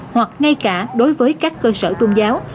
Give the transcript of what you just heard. hoặc ngay cả đối với các cơ sở tôn giáo